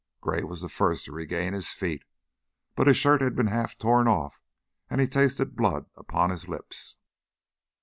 Gray was the first to regain his feet, but his shirt had been torn half off and he tasted blood upon his lips.